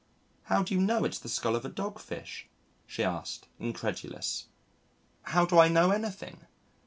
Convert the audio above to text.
"How do you know it's the skull of a dog fish?" she asked, incredulous. "How do I know anything?"